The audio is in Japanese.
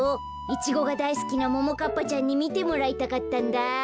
イチゴがだいすきなももかっぱちゃんにみてもらいたかったんだ。